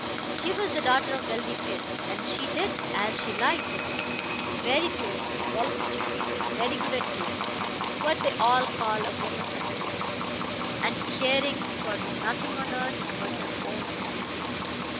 She was the daughter of wealthy parents, and she did as she liked with them; very beautiful, well educated, very good at games what they call a woman athlete and caring for nothing on earth but her own amusement.